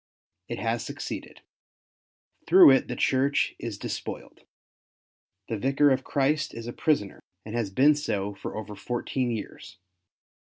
It has succeeded. Through it the Church is despoiled. The Vicar of Christ is a prisoner, and has been so for over fourteen years.